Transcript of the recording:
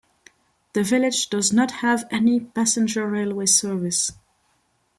The village does not have any passenger railway service.